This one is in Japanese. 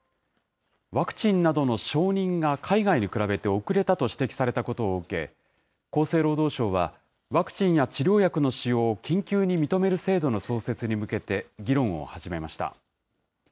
ワクチンなどの承認が海外に比べて遅れたと指摘されたことを受け、厚生労働省は、ワクチンや治療薬の使用を緊急に認める制度の創設に向けて、議論を始めました。